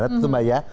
itu mbak ya